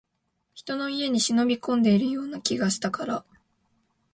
人の家に忍び込んでいるような気がしたから